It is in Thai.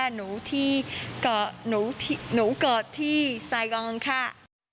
หนูเกาะที่ไซกอนค่ะ